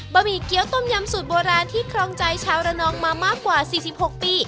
หมี่เกี้ยวต้มยำสูตรโบราณที่ครองใจชาวระนองมามากกว่า๔๖ปี